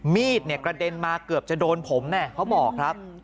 มีดเนี่ยกระเด็นมาเกือบจะโดนผมแน่เขาบอกครับ